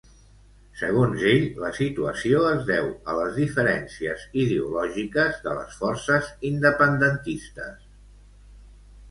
Segons ell, la situació es deu a les diferències ideològiques de les forces independentistes.